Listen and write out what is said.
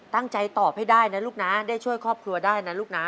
ตั้งใจตอบให้ได้นะลูกนะได้ช่วยครอบครัวได้นะลูกนะ